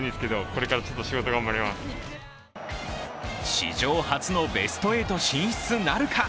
史上初のベスト８進出なるか。